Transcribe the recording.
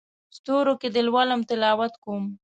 ستورو کې دې لولم تلاوت کوم